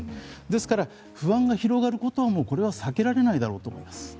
ですから、不安が広がることはこれは避けられないと思います。